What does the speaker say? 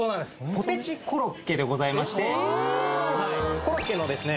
ポテチコロッケでございましてはいコロッケのですね